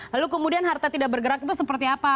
lalu kemudian harta tidak bergerak itu seperti apa